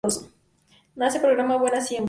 Nace programa Buena Siembra.